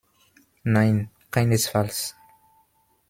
Nein, keinesfalls.